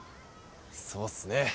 そうっすね。